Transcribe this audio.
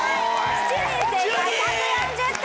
７人正解１４０点！